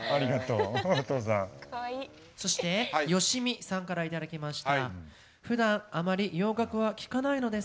そしてよしみさんからいただきました。